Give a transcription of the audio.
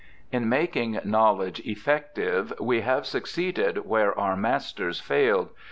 In making knowledge effective we have succeeded where our masters failed.